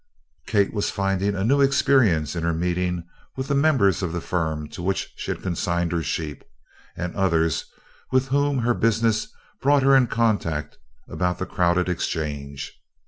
Kate was finding a new experience in her meeting with the members of the firm to which she had consigned her sheep, and others with whom her business brought her in contact about the crowded Exchange.